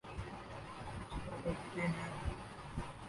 سفر کرتے ہیں۔